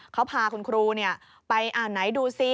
เขาพาคุณครูเนี่ยไปอ่านไหนดูซิ